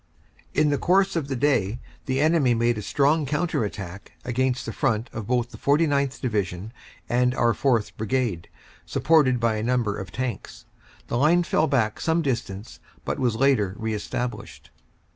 In the course of the day the enemy made a strong counter attack against the front of both the 49th. Division and our 4th. Brigade, supported by a number of tanks. The line fell back some distance but was later re established.